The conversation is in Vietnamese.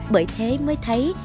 bởi thế mới thấy